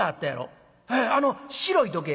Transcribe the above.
「へえあの白い時計？」。